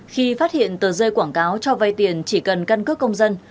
khi phát hiện tờ rơi quảng cáo cho vay tiền chỉ cần căn cước công dân